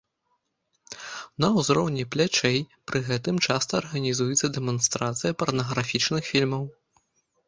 На ўзроўні плячэй пры гэтым часта арганізуецца дэманстрацыя парнаграфічных фільмаў.